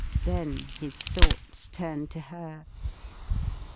Then his thoughts turned to her.